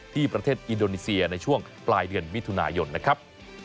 ที่ประเทศอินโดนีเซียในช่วงปลายเดือนมิถุนายนนะครับ